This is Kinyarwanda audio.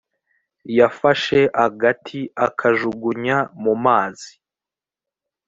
yafashe agati akajugunya mu mazi .